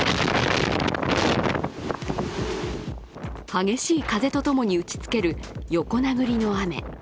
激しい風とともに打ちつける横殴りの雨。